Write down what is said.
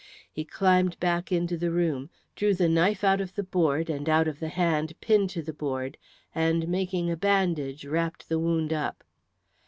He climbed back into the room, drew the knife out of the board and out of the hand pinned to the board, and making a bandage wrapped the wound up.